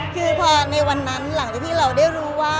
คือพอในวันนั้นหลังจากที่เราได้รู้ว่า